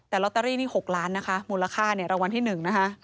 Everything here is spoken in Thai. แต่ลอตเตอรี่นี่๖ล้านนะคะมูลค่าเนี่ยรางวัลที่๑นะคะ